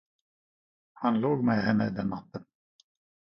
Han låg med henne den natten.